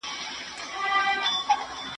¬ په تودو کي به ساړه نه راولو.